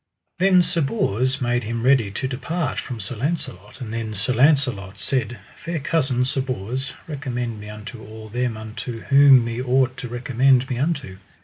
Then Sir Bors made him ready to depart from Sir Launcelot; and then Sir Launcelot said: Fair cousin, Sir Bors, recommend me unto all them unto whom me ought to recommend me unto.